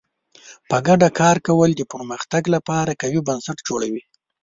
په ګډه کار کول د پرمختګ لپاره قوي بنسټ جوړوي.